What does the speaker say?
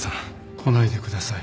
来ないでください。